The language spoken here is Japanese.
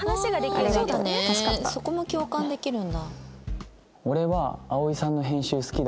そこも共感できるんだ。